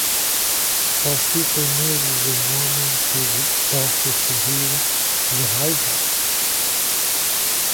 Você tem medo de um homem que possa sorrir de raiva!